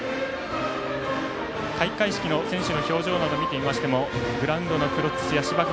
開会式の選手の表情など見ていましてもグラウンドの黒土、芝生